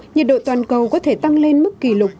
nhiệt độ toàn cầu có thể tăng lên mức kỷ lục